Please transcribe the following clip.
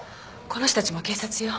この人たちも警察よ。